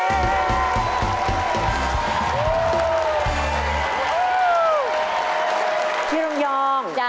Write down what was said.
พี่ร่องยองจ๊ะพี่ร่องยองจ๊ะ